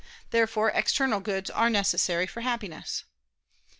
Therefore external goods are necessary for Happiness.